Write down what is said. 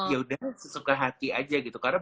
yaudah sesuka hati aja gitu karena